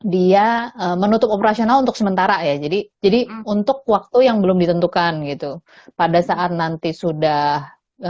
dia menutup operasional untuk sementara ya jadi jadi untuk waktu yang belum ditentukan gitu pada saat nanti sudah